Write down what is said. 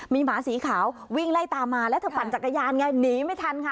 มีหมาสีขาววิ่งไล่ตามมาแล้วเธอปั่นจักรยานไงหนีไม่ทันค่ะ